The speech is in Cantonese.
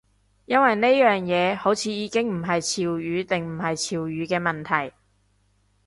因為呢樣嘢好似已經唔係潮語定唔係潮語嘅問題